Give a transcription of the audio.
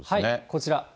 こちら。